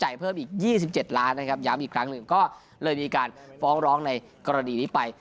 อีกครั้งหนึ่งก็เลยมีการฟ้องร้องในกรณีนี้ไป